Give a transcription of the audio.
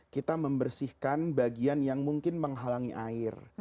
kita membersihkan bagian yang mungkin menghalangi air